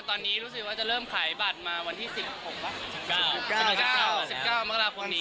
ตอนนี้รู้สึกว่าจะเริ่มขายบัตรมาวันที่๑๖วะ